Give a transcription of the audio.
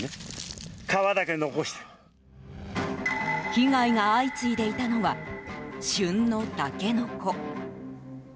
被害が相次いでいたのは旬のタケノコ。